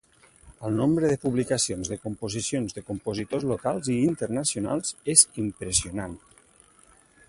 El nombre de publicacions de composicions de compositors locals i internacionals és impressionant.